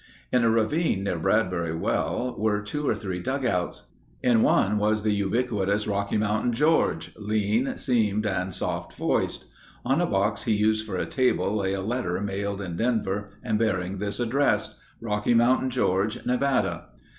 In a ravine near Bradbury Well were two or three dugouts. In one was the ubiquitous Rocky Mountain George—lean, seamed, and soft voiced. On the box he used for a table lay a letter mailed in Denver and bearing this address: "Rocky Mountain George, Nevada."